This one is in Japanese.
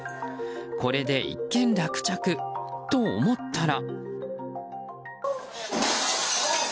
これで一件落着と思ったら。